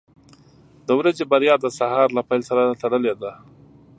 • د ورځې بریا د سهار له پیل سره تړلې ده.